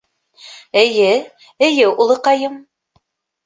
— Эйе, эйе, улыҡайым.